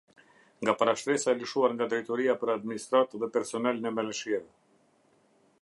Nga parashtresa e lëshuar nga Drejtoria për Administratë dhe personel në Malishevë.